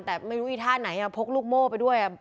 แต่ไม่รู้อีท่าไหนพกลูกโม่ไปด้วย